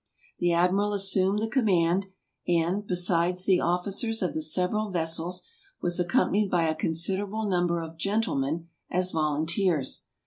The admiral assumed the command, and, beside the officers of the several vessels, was accompanied by a considerable number of gentlemen as volunteers.